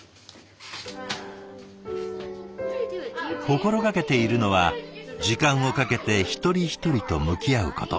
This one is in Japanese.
心がけているのは時間をかけて一人一人と向き合うこと。